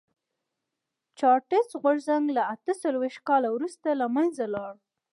چارټېست غورځنګ له اته څلوېښت کال وروسته له منځه لاړ.